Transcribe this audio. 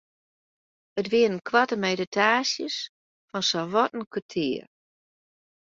It wiene koarte meditaasjes fan sawat in kertier.